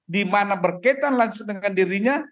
dimana berkaitan langsung dengan dirinya